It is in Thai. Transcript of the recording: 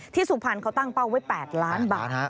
สุพรรณเขาตั้งเป้าไว้๘ล้านบาท